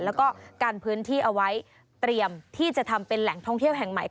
แล้วก็กันพื้นที่เอาไว้เตรียมที่จะทำเป็นแหล่งท่องเที่ยวแห่งใหม่